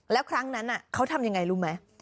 แล้วครั้งนั้นเขาทำยังไงรู้ไหม